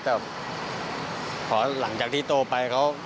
เพราะหลังจากที่โตไปเขา